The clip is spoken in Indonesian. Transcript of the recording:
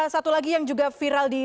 satu lagi yang juga viral di